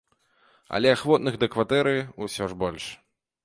Але ахвотных да кватэры ўсё ж больш.